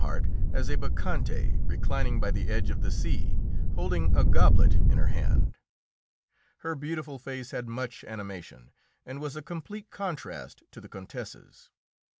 Harte as a bacchante reclining by the edge of the sea, holding a goblet in her hand. Her beautiful face had much animation, and was a complete contrast to the Countess's.